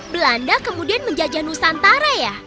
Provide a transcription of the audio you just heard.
belanda kemudian menjajah nusantara ya